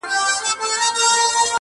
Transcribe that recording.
زما غزل تې ستا له حُسنه اِلهام راوړ،